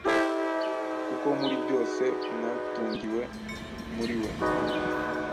kuko muri byose mwatungiwe muri We,